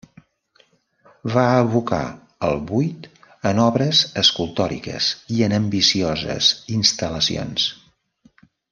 Va evocar el buit en obres escultòriques i en ambicioses instal·lacions.